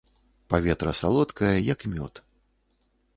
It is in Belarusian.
Паветра салодкае, як мёд.